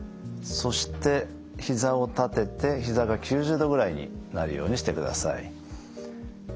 そしてひざを立ててひざが９０度ぐらいになるようにしてください。